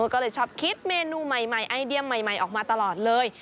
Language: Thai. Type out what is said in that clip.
ก็เลยชอบคิดเมนูใหม่ไอเดียใหม่ออกมาตลอดเลย